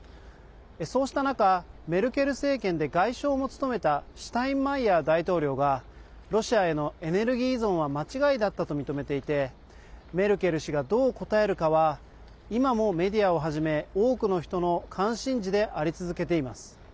そうした中、メルケル政権で外相も務めたシュタインマイヤー大統領がロシアへのエネルギー依存は間違いだったと認めていてメルケル氏が、どう答えるかは今もメディアをはじめ多くの人の関心事であり続けています。